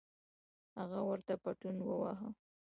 هغه ورته پتون وواهه.